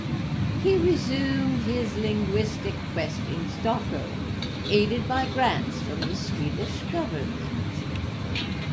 He resumed his linguistic quest in Stockholm, aided by grants from the Swedish government.